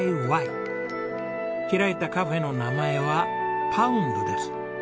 開いたカフェの名前はＰＯＵＮＤです。